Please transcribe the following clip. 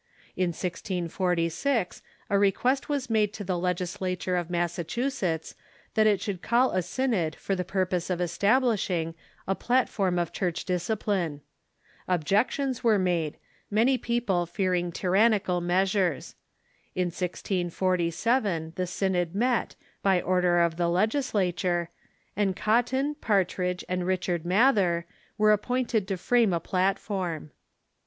In 1046 a request Avas made to the legislature CHUKCU GOVERNMENT IN THE COLONIES 459 of Massacluisctts that it should call a synod for the purpose of establishing a " Platform of Church Discipline." Objections were made, many people fearing tyrannical measures. In 1647 the synod met, by order of the legislature, and Cotton, Par tridge, and Richard Mather were appointed to frame a plat form.